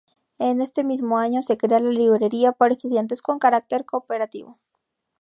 En este mismo año se crea la librería para estudiantes con carácter cooperativo.